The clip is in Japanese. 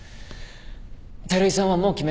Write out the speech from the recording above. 照井さんはもう決めた？